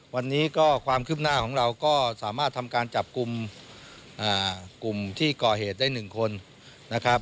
วันนี้ก็ความคืบหน้าของเราก็สามารถทำการจับกลุ่มกลุ่มที่ก่อเหตุได้๑คนนะครับ